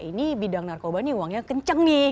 ini bidang narkoba ini uangnya kenceng nih